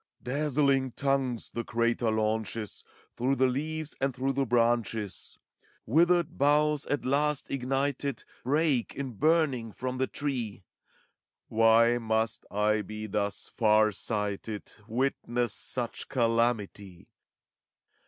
Dazzling tongues the crater launches Through the leaves and through the branches; Withered boughs, at last ignited. Break, in burning, from the tree: Why must I be thus far sighted f Witness such calamity?